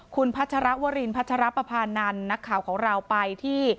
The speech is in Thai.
คุณพัชรวรินพัชรปภานันทร์นักข่าวของเราไปที่